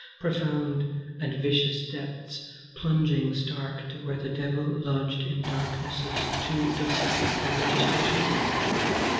Profound and vicious depths plunging stark to where the devil lodged in darknesses too dusky for registration!